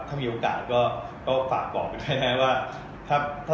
ถ้ามีโอกาสก็ฝากบอกหน่อยนะครับว่า